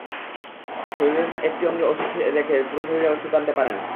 শরীরের একটি অঙ্গে অসুখ রেখে পুরো শরীরে সুখ আসতে পারে না।